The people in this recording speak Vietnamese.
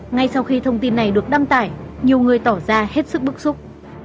ngay sau khi thông tin này được đăng tải nhiều người tỏ ra hết sức bức xúc